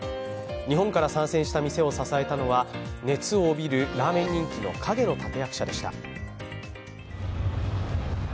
日本から参戦した店を支えたのは熱を帯びるラーメン人気の陰の立て役者でした。